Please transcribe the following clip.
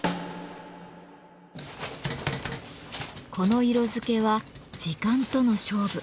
この色付けは時間との勝負。